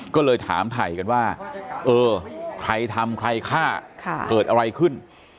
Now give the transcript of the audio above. ก็เลยถามถ่ายกันว่าเออใครทำใครฆ่าเกิดอะไรขึ้น